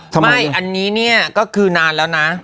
ทำไมนี่ไม่อันนี้ก็คือนานแล้วนะ